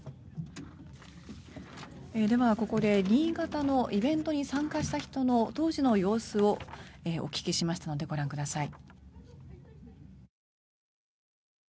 では、ここで新潟のイベントに参加した人の当時の様子をお聞きしましたのでご覧ください。